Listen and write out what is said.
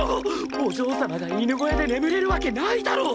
お嬢様が犬小屋で眠れるわけないだろ！